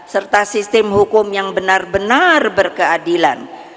serta sistem hukum yang benar benar berkeadilan